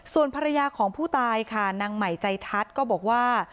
ส่วนภรรยาของผู้ตายค่ะนางใหม่ใจทัศน์ก็บอกว่า